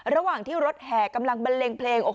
ระหว่างที่รถแห่กำลังบันเลงเพลง